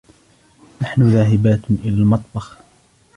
نحن ذاهبات إلى المطبخ.